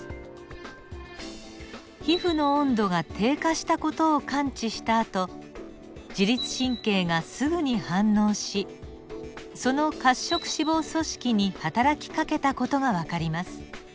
皮膚の温度が低下した事を感知したあと自律神経がすぐに反応しその褐色脂肪組織にはたらきかけた事がわかります。